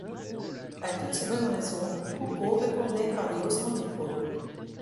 A toutes ces bonnes raisons, Coupeau répondait par des haussements d'épaules.